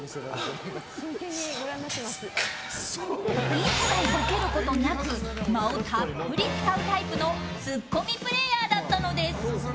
一切ボケることなく間をたっぷり使うタイプのツッコミプレーヤーだったのです。